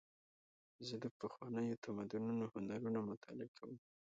زه د پخوانیو تمدنونو هنرونه مطالعه کوم.